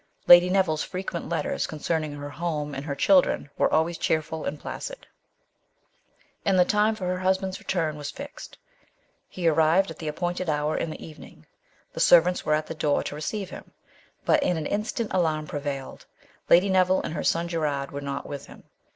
Lady Neville's frequent letters concerning her home and her children were always cheerful and placid, and the time for her husband's return was fixed. He arrived at the appointed hour in the evening:. The servants were at the door to receive him, but in an instant alarm prevailed ; Lady Neville and her son Gerard were not with him.